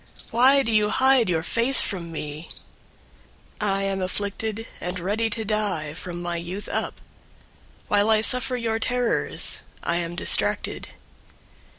Why do you hide your face from me? 088:015 I am afflicted and ready to die from my youth up. While I suffer your terrors, I am distracted.